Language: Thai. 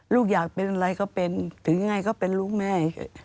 ลูกอยากเป็นอะไรก็เป็นถึงยังไงก็เป็นลูกแม่